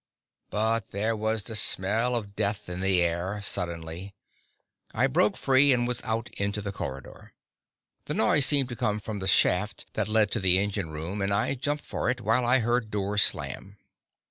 But there was the smell of death in the air, suddenly. I broke free and was out into the corridor. The noise seemed to come from the shaft that led to the engine room, and I jumped for it, while I heard doors slam.